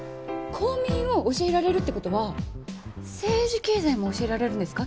公民を教えられるっていう事は政治経済も教えられるんですか？